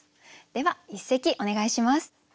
では一席お願いします。